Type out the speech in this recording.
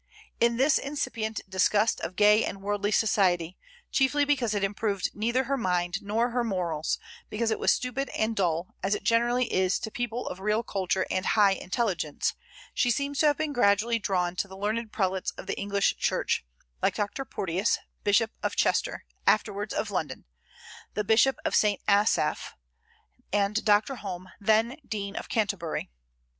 In this incipient disgust of gay and worldly society chiefly because it improved neither her mind nor her morals, because it was stupid and dull, as it generally is to people of real culture and high intelligence she seems to have been gradually drawn to the learned prelates of the English Church, like Dr. Porteus, Bishop of Chester, afterwards of London; the Bishop of St. Asaph; and Dr. Home, then Dean of Canterbury.